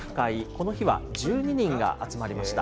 この日は１２人が集まりました。